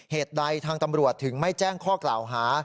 เหตุใดทางตำรวจถึงไม่แจ้งข้อกล่าวหา